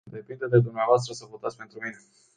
Depinde de dumneavoastră să votați pentru mine.